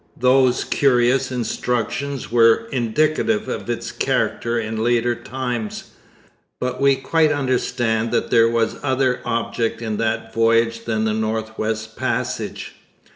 Those curious instructions were indicative of its character in later times. But we quite understand that there was other object in that voyage than the North West Passage.